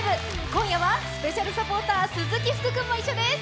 今夜はスペシャルサポーター鈴木福君も一緒です。